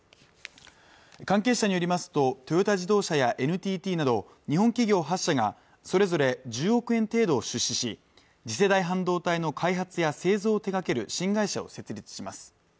関係者によりますとトヨタ自動車やＮＴＴなど日本企業８社がそれぞれ１０億円程度を出資し次世代半導体の開発や製造を手がける新会社を設立します